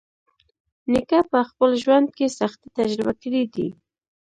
نیکه په خپل ژوند کې سختۍ تجربه کړې دي.